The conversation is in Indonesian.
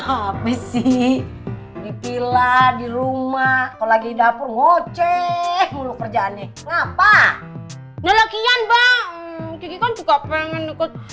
apa sih di vila di rumah kalau lagi dapur ngocek kerjaannya apa nyalakian bang juga pengen ikut